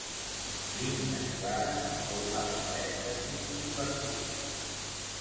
Línies clares en forma de parèntesis invertits.